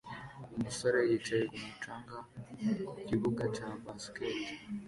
Umusore yicaye kumu canga ku kibuga cya basket